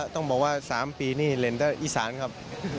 ต้องบอกว่า๓ปีนี่เล่นอีสานครับ